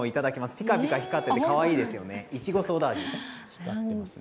ぴかぴか光っていてかわいいですよね、いちごソーダ味。